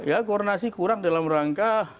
ya koordinasi kurang dalam rangka